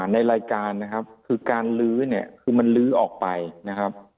ในรายการนะครับคือการลื้อเนี่ยคือมันลื้อออกไปนะครับ